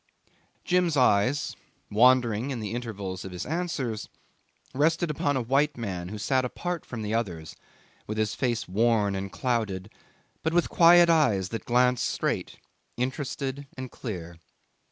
Jim's eyes, wandering in the intervals of his answers, rested upon a white man who sat apart from the others, with his face worn and clouded, but with quiet eyes that glanced straight, interested and clear.